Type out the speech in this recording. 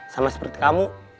sama seperti kamu